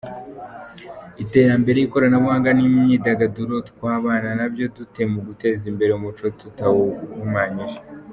Iterambere, ikoranabuhanga n’imyidagaduro twabana nabyo dute mu guteza imbere umuco tutawuhumanyije?.